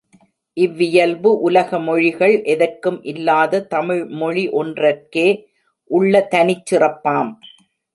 இவ்வியல்பு உலக மொழிகள் எதற்கும் இல்லாத தமிழ் மொழி ஒன்றற்கே உள்ள தனிச் சிறப்பாம்.